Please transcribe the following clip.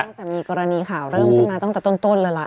ตั้งแต่มีกรณีข่าวเริ่มขึ้นมาตั้งแต่ต้นเลยล่ะ